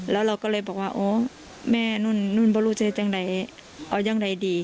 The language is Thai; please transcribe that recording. แล้วเราก็เลยบอกว่าโอ้แม่นั่นนั่นบ้ารู้จะเอาอย่างไรดี